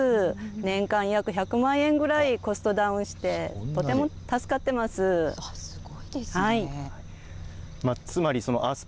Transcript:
年間約１００万ぐらいコストダウンして、とても助かってます。